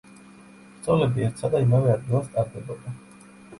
ბრძოლები ერთსა და იმავე ადგილას ტარდებოდა.